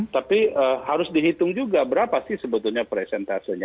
tapi harus dihitung juga berapa sih sebetulnya presentasenya